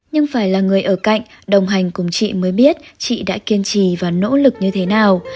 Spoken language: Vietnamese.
nhưng phải là người ở cạnh đồng hành cùng chị mới biết chị đã kiên trì và nỗ lực như thế nào